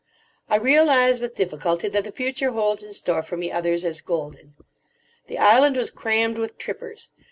I realise with difficulty that the future holds in store for me others as golden. The island was crammed with trippers.